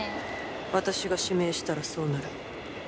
私が指名したらそうなる。